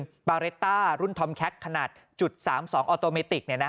คุณปาเรตต้ารุ่นทอมแคคขนาด๓๒ออโตเมติก